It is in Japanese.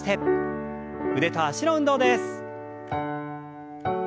腕と脚の運動です。